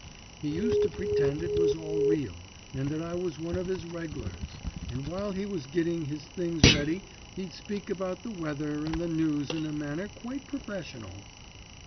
He used to pretend it was all real, and that I was one of his reg'lars, and while he was gitting his things ready he'd speak about the weather and the news in a manner quite perfessional.